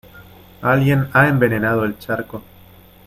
Alguien ha envenenado el charco.